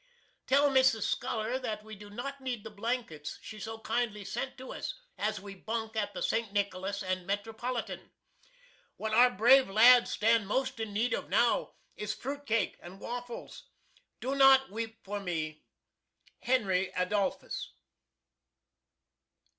Tell Mrs. Skuller that we do not need the blankets she so kindly sent to us, as we bunk at the St. Nicholas and Metropolitan. What our brave lads stand most in need of now is Fruit Cake and Waffles. Do not weep for me. Henry Adolphus.